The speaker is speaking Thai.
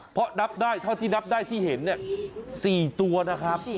เพราะที่นับได้ที่เห็น๔ตัวนะครับ